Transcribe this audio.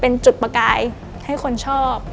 เป็นจุดประกายให้คนชอบ